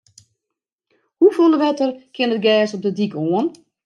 Hoefolle wetter kin it gers op de dyk oan?